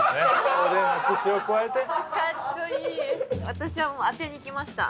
私はもう当てにいきました。